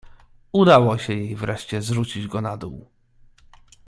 "Udało się jej wreszcie zrzucić go na dół."